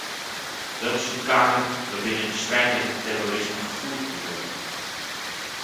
Dat is het kader waarbinnen strijd tegen het terrorisme gevoerd moet worden.